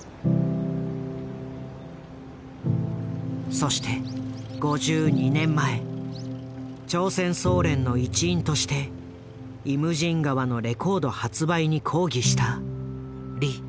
そして５２年前朝鮮総連の一員として「イムジン河」のレコード発売に抗議したリ・チョルウ。